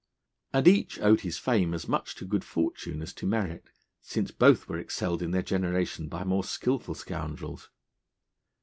And each owed his fame as much to good fortune as to merit, since both were excelled in their generation by more skilful scoundrels.